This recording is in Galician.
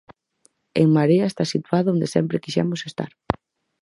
En Marea está situada onde sempre quixemos estar.